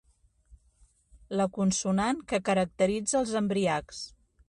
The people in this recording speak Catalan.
La consonant que caracteritza els embriacs.